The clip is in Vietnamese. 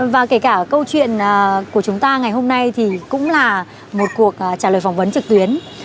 và kể cả câu chuyện của chúng ta ngày hôm nay thì cũng là một cuộc trả lời phỏng vấn trực tuyến